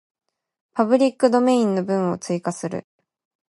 パブリックドメインの文を追加する